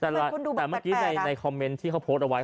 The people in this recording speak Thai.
ทำไมคนดูบอก๘๘นะแต่เมื่อกี้ในคอมเม้นท์ที่เขาโพสต์เอาไว้